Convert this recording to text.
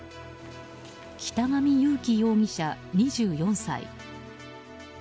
北上優樹容疑者、２４歳。